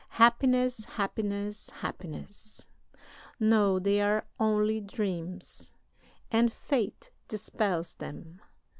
Happiness! Happiness! Happiness!... No, they are only dreams, and Fate dispels them.